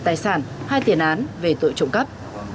tài sản hai tiền án về tội trộm cắp